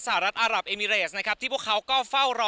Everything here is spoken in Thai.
รัฐอารับเอมิเรสนะครับที่พวกเขาก็เฝ้ารอ